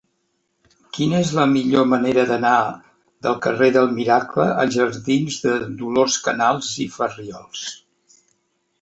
Quina és la millor manera d'anar del carrer del Miracle als jardins de Dolors Canals i Farriols?